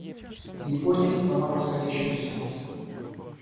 Япония — страна восходящего солнца.